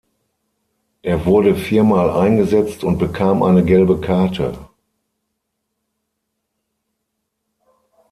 Er wurde viermal eingesetzt und bekam eine gelbe Karte.